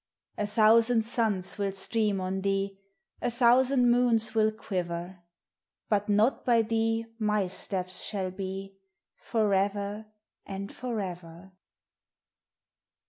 A thousand suns will stream on thee, A thousand moons will quiver; But not by thee my steps shall be. For ever and for ever.